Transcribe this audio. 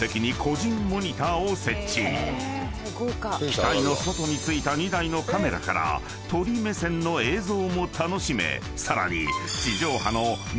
［機体の外に付いた２台のカメラから鳥目線の映像も楽しめさらに］